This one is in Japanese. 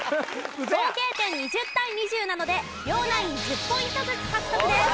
合計点２０対２０なので両ナイン１０ポイントずつ獲得です。